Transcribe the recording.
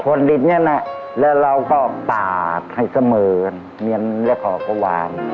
พวนดินเนี่ยนะแล้วเราก็ตาดให้เสมอเนี้ยเนี้ยขอกวาน